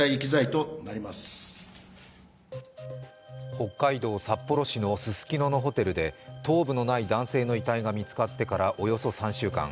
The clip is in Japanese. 北海道札幌市のススキノのホテルで頭部のない男性の遺体が見つかってからおよそ３週間。